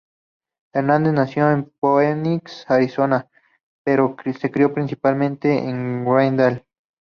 Hernández nació en Phoenix, Arizona, pero se crio principalmente en Glendale.